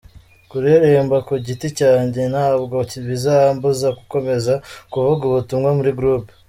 Kuririmba ku giti cyanjye ntabwo bizambuza gukomeza kuvuga ubutumwa muri group.